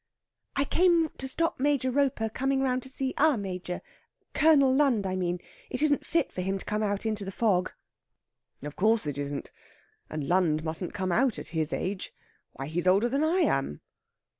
"I came to stop Major Roper coming round to see our Major Colonel Lund, I mean. It isn't fit for him to come out in the fog." "Of course, it isn't. And Lund mustn't come out at his age. Why, he's older than I am....